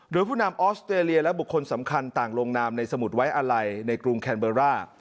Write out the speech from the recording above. โดยผู้นำออสเตรเลียและบุคคลสำคัญต่างลงนามในสมุดไว้อะไรในกรุงแคนเบอร์ร่า